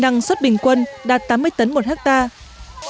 năng suất bình quân đạt tám mươi tấn một hectare